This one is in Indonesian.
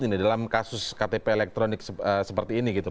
berarti ini akan terus berlanjut nih dalam kasus ktp elektronik seperti ini gitu